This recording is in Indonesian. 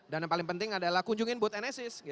dan yang paling penting adalah kunjungin booth enesis